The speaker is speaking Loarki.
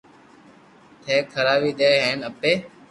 ني کراوي دي ھين اپي